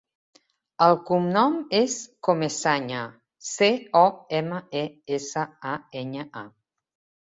El cognom és Comesaña: ce, o, ema, e, essa, a, enya, a.